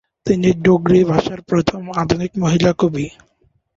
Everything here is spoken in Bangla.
তিনি ডোগরি ভাষার প্রথম আধুনিক মহিলা কবি।